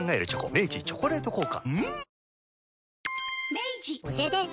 明治「チョコレート効果」